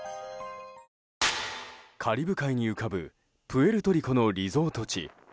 カリブ海に浮かぶプエルトリコのリゾート地。